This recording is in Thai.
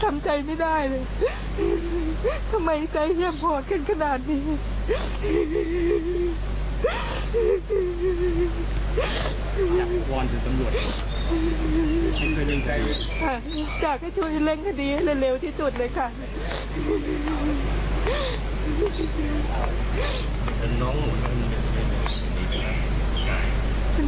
อาจจะช่วยเร่งคดีเร็วที่จุดเลยค่ะ